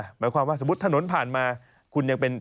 หมายความว่าสมมุติถนนผ่านมาคุณยังเป็น